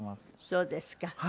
そうですか。